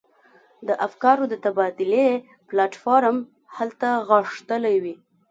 د افکارو د تبادلې پلاټ فورم هلته غښتلی وي.